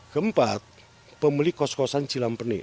keempat pemilik kos kosan cilam peni